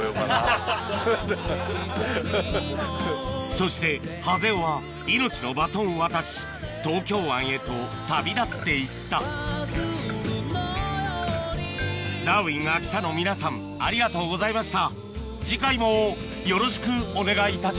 そしてハゼ雄は命のバトンを渡し東京湾へと旅立っていった『ダーウィンが来た！』の皆さんありがとうございました